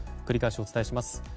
繰り返しお伝えします。